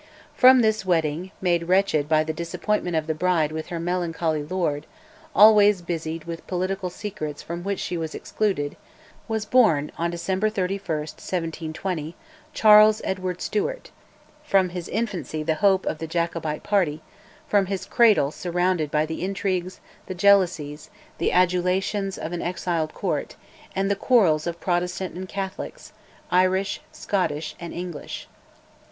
From this wedding, made wretched by the disappointment of the bride with her melancholy lord, always busied with political secrets from which she was excluded, was born, on December 31, 1720, Charles Edward Stuart: from his infancy the hope of the Jacobite party; from his cradle surrounded by the intrigues, the jealousies, the adulations of an exiled Court, and the quarrels of Protestants and Catholics, Irish, Scottish, and English.